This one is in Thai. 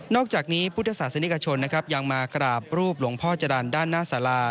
อกจากนี้พุทธศาสนิกชนนะครับยังมากราบรูปหลวงพ่อจรรย์ด้านหน้าสารา